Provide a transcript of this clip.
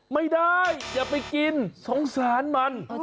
ไม่ได้อย่าไปกินสงสารมัน